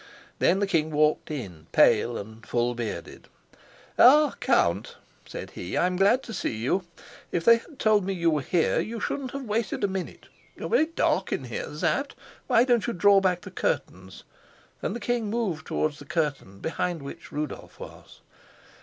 Then the king walked in, pale and full bearded. "Ah, Count," said he, "I'm glad to see you. If they had told me you were here, you shouldn't have waited a minute. You're very dark in here, Sapt. Why don't you draw back the curtains?" and the king moved towards the curtain behind which Rudolf was.